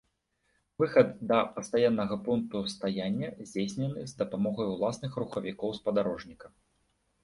Выхад да пастаяннага пункту стаяння здзейснены з дапамогай уласных рухавікоў спадарожніка.